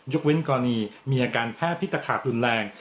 เว้นกรณีมีอาการแพทย์พิตะขาบรุนแรง